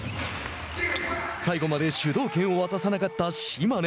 最後まで主導権を渡さなかった島根。